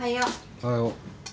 おはよう。